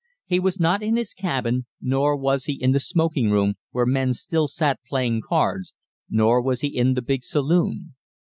He was not in his cabin, nor was he in the smoking room, where men still sat playing cards, nor was he in the big saloon.